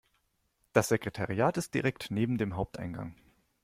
Das Sekretariat ist direkt neben dem Haupteingang.